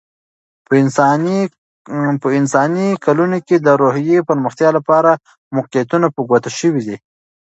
په انساني کلونه کې، د روحي پرمختیا لپاره موقعیتونه په ګوته شوي دي.